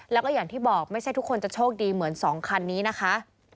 แล้วก็อย่างที่บอกไม่ใช่ทุกคนจะโชคดีเหมือน๒คันนี้นะคะ